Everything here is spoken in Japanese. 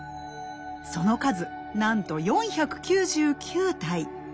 その数なんと４９９体。